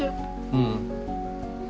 うん。